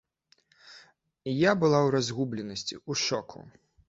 Я была ў разгубленасці, ў шоку.